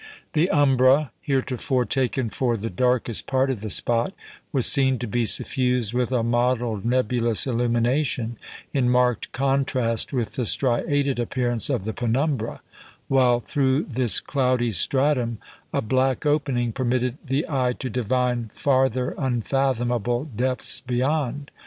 The umbra heretofore taken for the darkest part of the spot was seen to be suffused with a mottled, nebulous illumination, in marked contrast with the striated appearance of the penumbra; while through this "cloudy stratum" a "black opening" permitted the eye to divine farther unfathomable depths beyond.